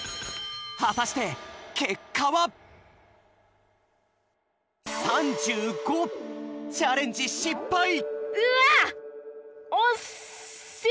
はたしてチャレンジしっぱい！